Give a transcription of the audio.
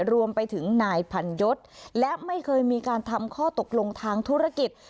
รวมไปถึงนายพันยศและไม่เคยมีการทำข้อตกลงทางธุรกิจ